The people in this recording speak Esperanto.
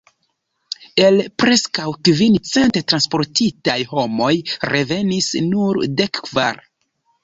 El preskaŭ kvin cent transportitaj homoj revenis nur dek kvar.